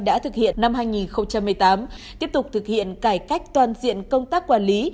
đã thực hiện năm hai nghìn một mươi tám tiếp tục thực hiện cải cách toàn diện công tác quản lý